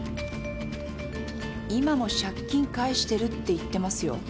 「今も借金返してる」って言ってますよ。